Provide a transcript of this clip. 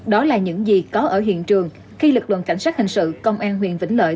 đó là những gì có ở hiện trường khi lực lượng cảnh sát hình sự công an huyện vĩnh lợi